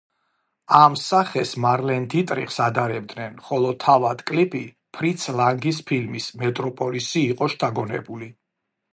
ამ სახეს მარლენ დიტრიხს ადარებდნენ, ხოლო თავად კლიპი ფრიც ლანგის ფილმით „მეტროპოლისი“ იყო შთაგონებული.